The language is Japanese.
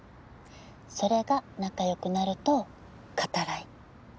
それが仲良くなるとカタライ。